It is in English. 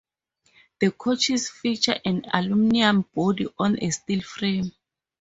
The coaches feature an aluminum body on a steel frame.